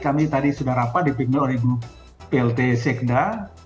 kami tadi sudah rapat di pikmil plt sekda